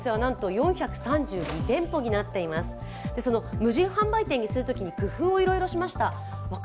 無人販売店にするときに工夫をいろいろしめました。